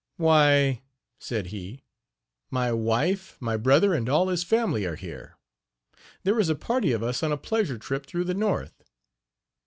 "Why," said he, "my wife, my brother and all his family are here. There is a party of us on a pleasure trip through the north.